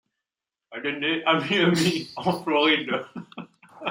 Elle est née à Miami en Floride.